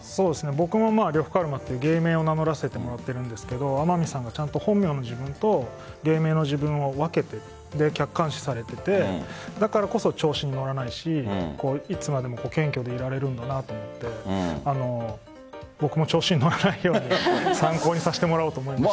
僕も呂布カルマという芸名を名乗らせてもらっているんですけど本名の自分と芸名の自分を分けて客観視されていてだからこそ調子に乗らないしいつまでも謙虚でいられるんだなと僕も調子に乗らないように参考にさせてもらおうと思いました。